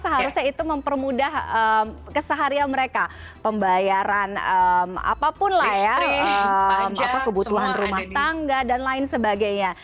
seharusnya itu mempermudah keseharian mereka pembayaran apapun lah ya kebutuhan rumah tangga dan lain sebagainya